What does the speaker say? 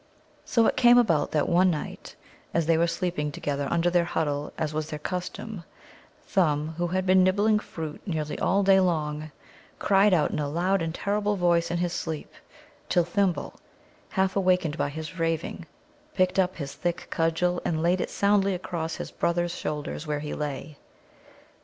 So it came about that one night, as they were sleeping together under their huddle, as was their custom, Thumb, who had been nibbling fruit nearly all day long, cried out in a loud and terrible voice in his sleep, till Thimble, half awakened by his raving, picked up his thick cudgel and laid it soundly across his brother's shoulders where he lay.